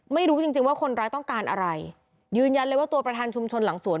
ไม่รู้จริงจริงว่าคนร้ายต้องการอะไรยืนยันเลยว่าตัวประธานชุมชนหลังสวน